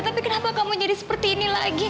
tapi kenapa kamu jadi seperti ini lagi